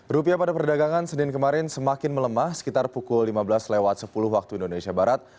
rupiah pada perdagangan senin kemarin semakin melemah sekitar pukul lima belas sepuluh waktu indonesia barat